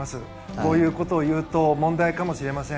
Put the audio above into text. こういうことを言うと問題かもしれません。